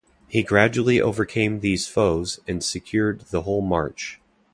He gradually overcame these foes and secured the whole March.